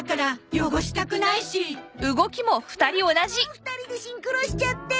２人でシンクロしちゃって。